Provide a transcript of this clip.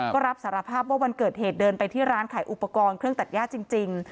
ก็รับสารภาพว่าวันเกิดเหตุเดินไปที่ร้านขายอุปกรณ์เครื่องตัดย่าจริง